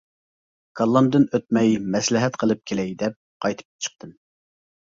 كاللامدىن ئۆتمەي، مەسلىھەت قىلىپ كېلەي، دەپ قايتىپ چىقتىم.